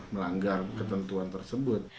melanggar ketentuan tersebut